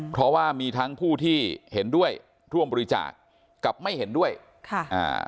เพราะว่ามีทั้งผู้ที่เห็นด้วยร่วมบริจาคกับไม่เห็นด้วยค่ะอ่า